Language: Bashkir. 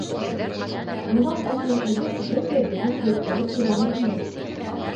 Бынан ун йыл элек һеҙ ҙә беҙҙең кеүек бәләкәй генә инегеҙ.